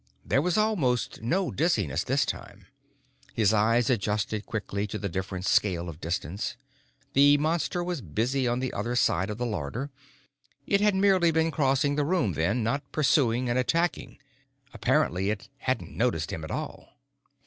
There was almost no dizziness this time. His eyes adjusted quickly to the different scale of distance. The Monster was busy on the other side of the larder. It had merely been crossing the room, then, not pursuing and attacking. Apparently it hadn't noticed him at all.